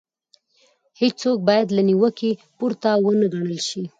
هيڅوک بايد له نيوکې پورته ونه ګڼل شي.